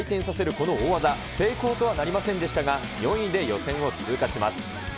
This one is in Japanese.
この大技、成功とはなりませんでしたが、４位で予選を通過します。